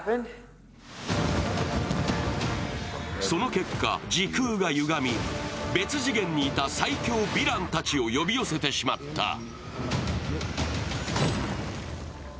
その結果、時空が歪み、別次元にいた最強ヴィランたちを呼び寄せてしまった。